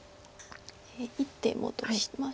１手戻しまして。